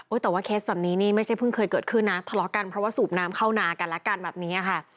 แต่ว่าเคสแบบนี้นี่ไม่ใช่เพิ่งเคยเกิดขึ้นนะทะเลาะกันเพราะว่าสูบน้ำเข้านากันแล้วกันแบบนี้ค่ะ